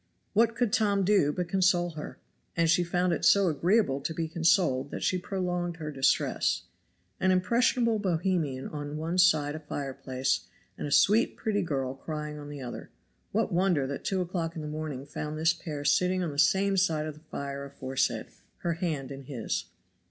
What could Tom do but console her? And she found it so agreeable to be consoled that she prolonged her distress. An impressionable Bohemian on one side a fireplace, and a sweet, pretty girl crying on the other, what wonder that two o'clock in the morning found this pair sitting on the same side of the fire aforesaid her hand in his?